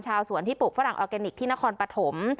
ชาวสวนที่ปลูกฝรั่งออร์แกนิคที่นครปฐม